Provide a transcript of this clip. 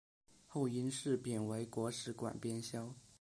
后因事贬为国史馆编修。